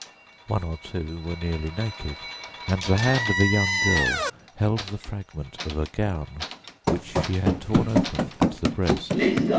One or two were nearly naked, and the hand of a young girl held the fragment of a gown which she had torn open at the breast.